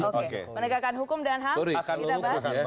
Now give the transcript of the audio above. oke menegakkan hukum dan hak